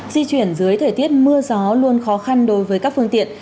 di chuyển dưới thời tiết mưa gió luôn khó khăn đối với các phương tiện